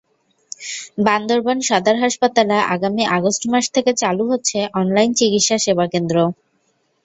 বান্দরবান সদর হাসপাতালে আগামী আগস্ট মাস থেকে চালু হচ্ছে অনলাইন চিকিৎসা সেবাকেন্দ্র।